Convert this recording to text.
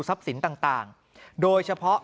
ทรัพย์สินต่างโดยเฉพาะ